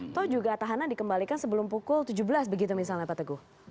atau juga tahanan dikembalikan sebelum pukul tujuh belas begitu misalnya pak teguh